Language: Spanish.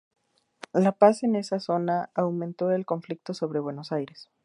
La paz en esa zona, aumentó el conflicto sobre Buenos Aires.